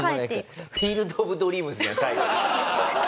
『フィールド・オブ・ドリームス』じゃん最後。